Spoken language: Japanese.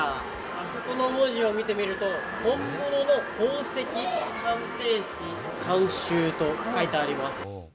あそこの文字を見てみると、「本物の宝石鑑定士監修」と書いてあります。